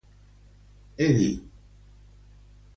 He dit caca.